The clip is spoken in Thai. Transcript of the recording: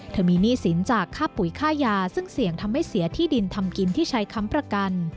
มีหนี้สินจากค่าปุ๋ยค่ายาซึ่งเสี่ยงทำให้เสียที่ดินทำกินที่ใช้ค้ำประกัน